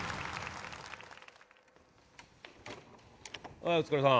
はいお疲れさん。